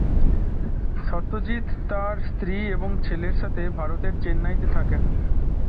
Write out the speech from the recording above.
সত্যজিৎ তাঁর স্ত্রী এবং ছেলের সাথে ভারতের চেন্নাই-তে থাকেন।